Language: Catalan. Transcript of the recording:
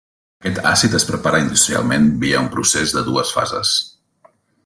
Aquest àcid es prepara industrialment via un procés de dues fases.